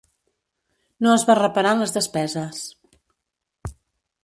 No es va reparar en les despeses.